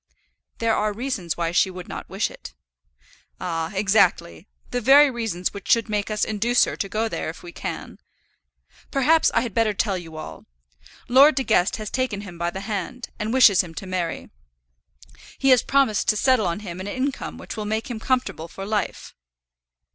"There are reasons why she would not wish it." "Ah, exactly; the very reasons which should make us induce her to go there if we can. Perhaps I had better tell you all. Lord De Guest has taken him by the hand, and wishes him to marry. He has promised to settle on him an income which will make him comfortable for life."